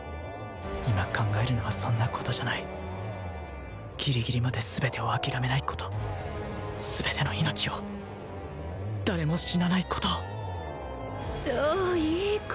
今考えるのはそんなことじゃないギリギリまで全てを諦めないこと全ての命を誰も死なないことをそういい子